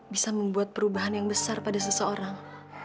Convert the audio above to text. bisa membuat perubahan yang besar pada seseorang